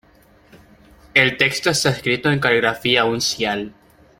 El texto está escrito en caligrafía uncial.